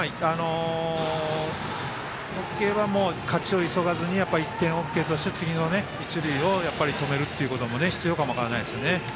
勝ちを急がずに１点ＯＫとして次の一塁を止めるというのも必要かも分からないですね。